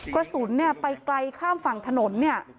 กระสุนเนี่ยไปไกลข้ามฝั่งถนนเนี่ย